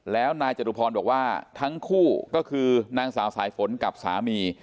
แล้วนายจตุพรบอกว่าทั้งคู่ก็คือนางสาวสายฝนกับสามี